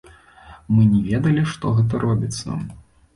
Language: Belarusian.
Мы не ведалі, што гэта робіцца.